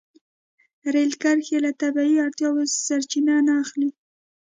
رېل کرښې له طبیعي اړتیاوو سرچینه نه اخلي.